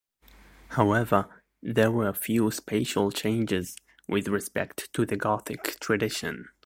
However, there were few spatial changes with respect to the Gothic tradition.